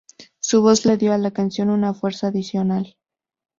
Su voz le dio a la canción una fuerza adicional.